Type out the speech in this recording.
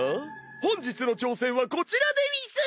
本日の挑戦はこちらでうぃす！